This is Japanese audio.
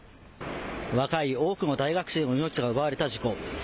若い多くの大学生の命が奪われた事故。